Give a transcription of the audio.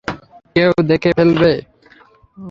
কেউ দেখে ফেলবে।